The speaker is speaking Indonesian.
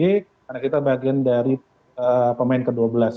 karena kita bagian dari pemain ke dua belas